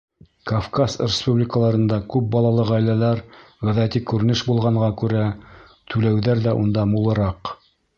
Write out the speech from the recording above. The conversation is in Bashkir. Кавказ республикаларында күп балалы ғаиләләр ғәҙәти күренеш булғанға күрә, түләүҙәр ҙә унда мулыраҡ.